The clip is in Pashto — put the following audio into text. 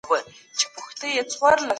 د هر انسان حق بايد خوندي وي.